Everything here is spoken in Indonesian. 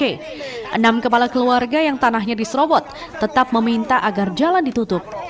enam kepala keluarga yang tanahnya diserobot tetap meminta agar jalan ditutup